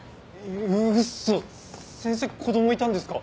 ウッソ先生子供いたんですか？